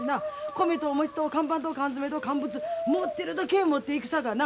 米と餅と乾パンと缶詰と乾物持てるだけ持っていくさかな。